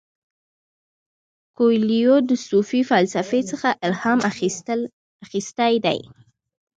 کویلیو د صوفي فلسفې څخه الهام اخیستی دی.